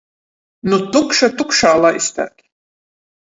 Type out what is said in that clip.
Nu tukša tukšā laisteit.